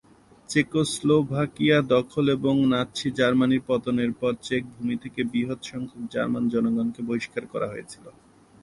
চেকোস্লোভাকিয়া দখল এবং নাৎসি জার্মানির পতনের পর চেক ভূমি থেকে বৃহৎ সংখ্যক জার্মান জনগণকে বহিষ্কার করা হয়েছিল।